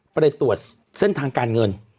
เขาเลยตรวจเส้นทางการเงิน